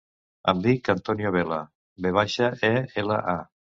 Em dic Antonio Vela: ve baixa, e, ela, a.